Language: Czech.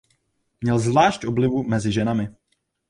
Měl zvlášť oblibu mezi ženami.